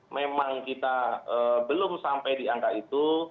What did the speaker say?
memang kita belum sampai di angka itu